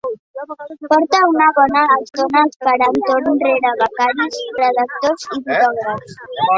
Porta una bona estona esperant torn rere becaris, redactors i fotògrafs.